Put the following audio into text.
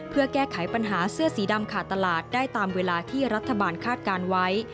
เพื่อแก้ไขปัญหาเสื้อสีดำขาดตลาดได้ตามเวลาที่รัฐบาลคาดการณ์ไว้